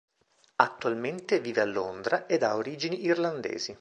Attualmente vive a Londra ed ha origini irlandesi.